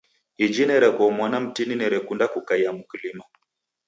Iji nerekoo mwana mtini nerekunda kukaia mkulima.